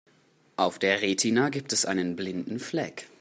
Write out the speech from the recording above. Auf der Retina gibt es einen blinden Fleck.